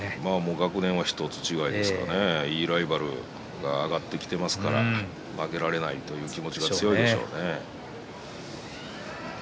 学年は１つ違いですからいいライバルが上がってきましたから負けられないという気持ちが強いと思います。